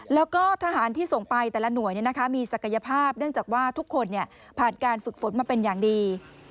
แล้วก็ทหารที่ส่งไปแต่ละหน่วยมีศักยภาพเนื่องจากว่าทุกคนผ่านการฝึกฝนมาเป็นอย่างดี